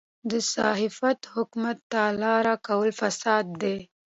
له صحافته حکومت ته لاره کول فساد دی.